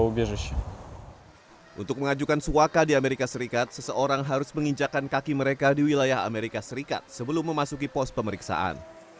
untuk mengajukan suaka di amerika serikat seseorang harus menginjakan kaki mereka di wilayah amerika serikat sebelum memasuki pos pemeriksaan